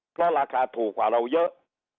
เพราะราคาถูกกว่าเราเยอะ